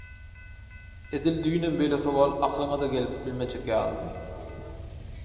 Edil düýnem beýle sowal akylyňa-da gelip bilmejek ýalydy.